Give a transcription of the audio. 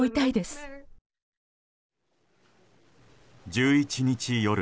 １１日夜